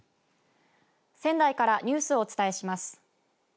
仙台からニュースをお伝えします。